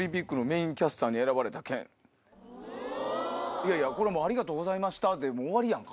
いやいやこれはもう「ありがとうございました」で終わりやんか。